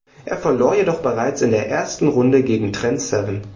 Er verlor jedoch bereits in der ersten Runde gegen Trent Seven.